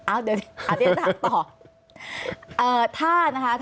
อ้าวเดี๋ยวถักต่อ